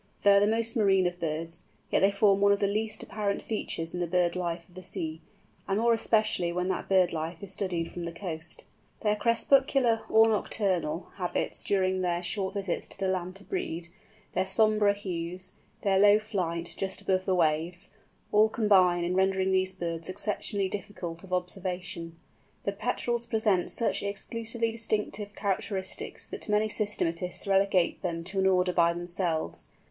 They are the most marine of birds, yet they form one of the least apparent features in the bird life of the sea, and more especially when that bird life is studied from the coast. Their crepuscular, or nocturnal, habits during their short visits to the land to breed, their sombre hues, their low flight, just above the waves, all combine in rendering these birds exceptionally difficult of observation. The Petrels present such exclusively distinctive characters that many systematists relegate them to an order by themselves.